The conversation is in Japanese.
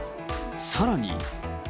さらに。